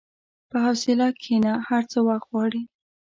په حوصله کښېنه، هر څه وخت غواړي.